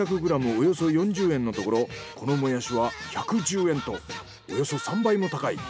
およそ４０円のところこのもやしは１１０円とおよそ３倍も高い。